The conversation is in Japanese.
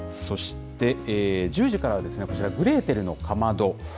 そして１０時からはこちら、グレーテルのかまど。